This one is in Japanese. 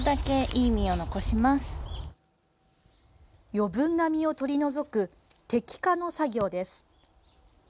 余分な実を取り除く摘果の作業です。